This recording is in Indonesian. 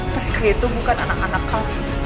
mereka itu bukan anak anak kami